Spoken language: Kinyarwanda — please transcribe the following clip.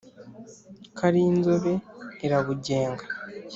Karinzobe* irabugenga.